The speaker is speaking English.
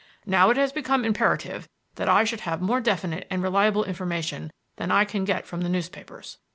Now, it has become imperative that I should have more definite and reliable information than I can get from the newspapers.